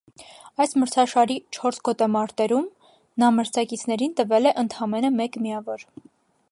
Այս մրցաշարի չորս գոտեմարտերում նա մրցակիցներին տվել է ընդամենը մեկ միավոր։